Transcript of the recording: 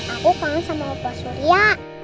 aku kangen sama pak surya